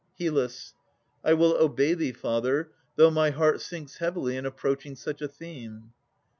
HYL. I will obey thee, father, though my heart Sinks heavily in approaching such a theme.